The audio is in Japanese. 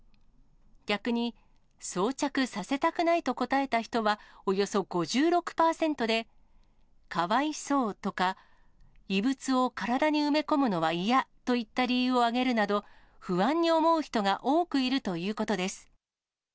逆に装着させたくないと答えた人はおよそ５６％で、かわいそうとか、異物を体に埋め込むのは嫌といった理由を挙げるなど、不安に思う人が多くいるということです。